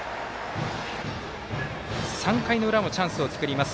３回の裏もチャンスを作ります。